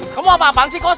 kamu apa apaan sih kos